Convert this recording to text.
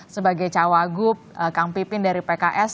sebagai cawagup kang pipin dari pks